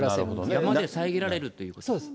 山で遮られるということですか。